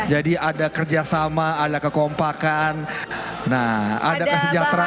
jadi ada kerjasama ada kekompakan ada kesejahteraan